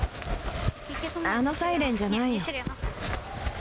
あのサイレンじゃないよ。